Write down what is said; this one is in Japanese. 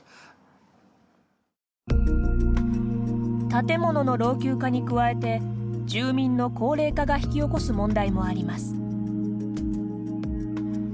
建物の老朽化に加えて住民の高齢化が引き起こす問題もあります。